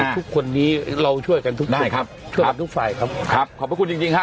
ทุกคนนี้เราช่วยกันทุกด้านครับช่วยกันทุกฝ่ายครับครับขอบพระคุณจริงจริงฮะ